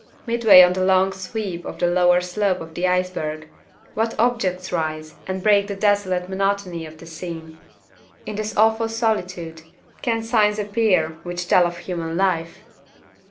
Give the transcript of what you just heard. Midway on the long sweep of the lower slope of the iceberg, what objects rise, and break the desolate monotony of the scene? In this awful solitude, can signs appear which tell of human Life?